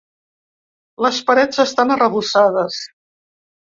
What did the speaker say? Les parets estan arrebossades.